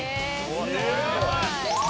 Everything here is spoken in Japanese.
すごい！」